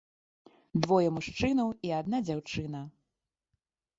Двое мужчынаў і адна дзяўчына.